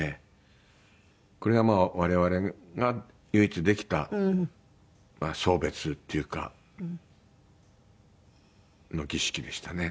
これがまあ我々が唯一できた送別っていうか儀式でしたね。